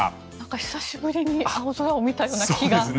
久しぶりに青空を見たような気が。